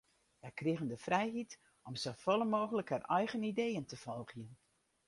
Hja krigen de frijheid om safolle mooglik har eigen ideeën te folgjen.